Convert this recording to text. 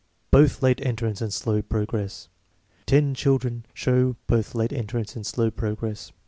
Both late entrance and slow progress. "Ten children show both late entrance and slow progress.